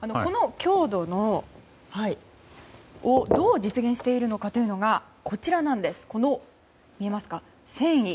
この強度をどう実現しているのかというのがこちら、この繊維。